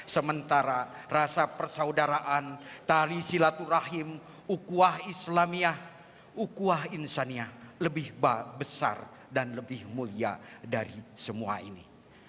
sementara rasa persaudaraan tali silaturahim ukuah islamiyah ukuah insaniah lebih besar dan lebih mulia dari semua ini